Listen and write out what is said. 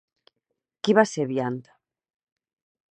Qui va ser Biant?